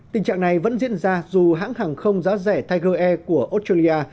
tình trạng này vẫn diễn ra dù hãng hàng không giá rẻ taiger air của australia